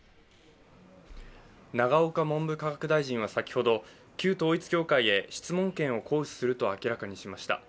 永岡文部科学大臣は先ほど、旧統一教会へ質問権を行使すると明らかにしました。